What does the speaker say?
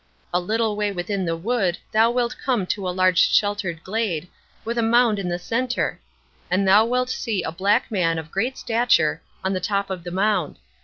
A little way within the wood thou wilt come to a large sheltered glade, with a mound in the centre. And thou wilt see a black man of great stature on the top of the mound.